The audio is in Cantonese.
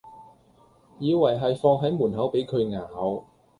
以為係放喺門口俾佢咬